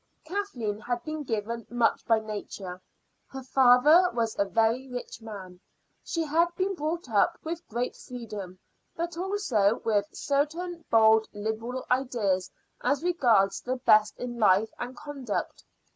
Kathleen had been given much by Nature. Her father was a very rich man; she had been brought up with great freedom, but also with certain bold liberal ideas as regards the best in life and conduct.